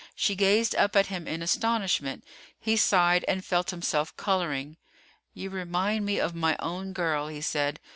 She gazed up at him in astonishment. He sighed and felt himself coloring. "You remind me of my own girl," he said.